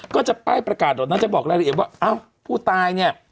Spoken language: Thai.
ก็จะป้ายประกาศเหล่านั้นจะบอกรายละเอียดว่าอ้าวผู้ตายเนี่ย